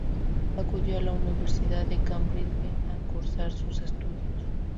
Acudió a la Universidad de Cambridge a cursar sus estudios.